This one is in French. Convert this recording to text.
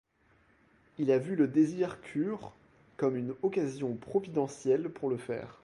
Il a vu le désir Cure comme une occasion providentielle pour le faire.